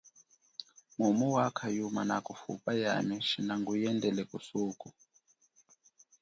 Mumu wakha yuma nakufupa yami shina nguyendele kusuko?